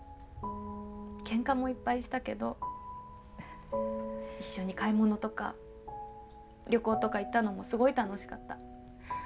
けんかもいっぱいしたけど一緒に買い物とか旅行とか行ったのもすごい楽しかった。